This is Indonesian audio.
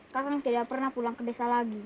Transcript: kadang tidak pernah pulang ke desa lagi